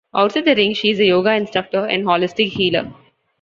Outside the ring, she is a yoga instructor and holistic healer.